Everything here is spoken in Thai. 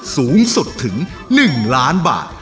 สูงสุดถึง๑ล้านบาท